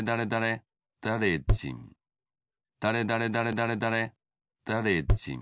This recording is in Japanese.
だれだれだれだれだれじん。